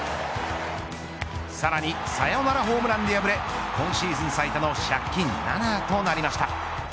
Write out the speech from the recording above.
さらにサヨナラホームランで敗れ今シーズン最多の借金７となりました。